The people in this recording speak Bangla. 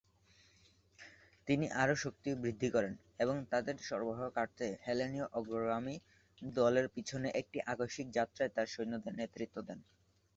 তিনি আরও শক্তিবৃদ্ধি করেন এবং তাদের সরবরাহ কাটতে হেলেনীয় অগ্রগামী দলের পিছনে একটি আকস্মিক যাত্রায় তাঁর সৈন্যদের নেতৃত্ব দেন।